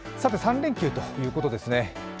３連休ということですね。